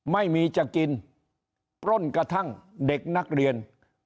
ไม่มีจะกินปล้นกระทั่งเด็กนักเรียน